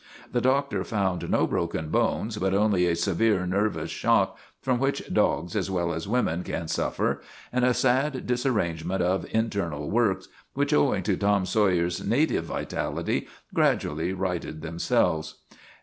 The doctor found no broken bones, but only a severe nervous shock, from which dogs as well as women can suffer, and a sad disarrangement of internal works which, owing to Tom Sawyer's native vitality, gradually righted themselves.